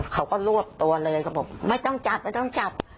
เขาก็รวบตัวเลยเขาบอกไม่ต้องจับไม่ต้องจับ